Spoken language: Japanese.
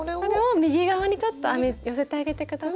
右側にちょっと寄せてあげて下さい。